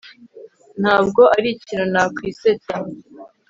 ntabwo arikintu nakwisetsa